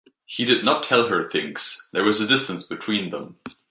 He did not tell her things; there was a distance between them.